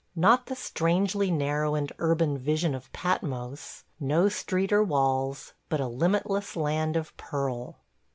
... Not the strangely narrow and urban vision of Patmos; no streets or walls, but a limitless Land of Pearl!